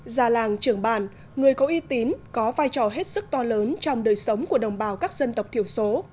già làng trưởng bản người có uy tín có vai trò hết sức to lớn trong đời sống của đồng bào các dân tộc thiểu số